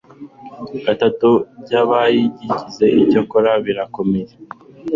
gatatu by abayigize Icyakora birakomeye